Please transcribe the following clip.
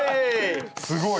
すごい！